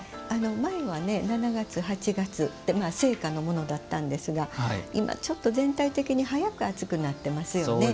前は７月、８月盛夏のものだったんですが今、ちょっと全体的に早く暑くなってますよね。